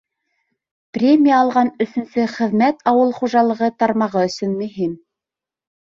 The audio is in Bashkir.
Премия алған өсөнсө хеҙмәт ауыл хужалығы тармағы өсөн мөһим.